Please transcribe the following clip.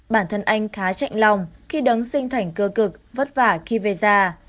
bản thân anh khá chạnh lòng khi đứng sinh thành cơ cực vất vả khi về già